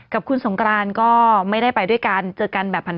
กับคุณสงกรานก็ไม่ได้ไปด้วยกัน